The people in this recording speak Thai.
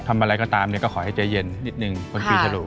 ทำอะไรก็ตามเนี่ยก็ขอให้ใจเย็นนิดนึงบนปีฉลู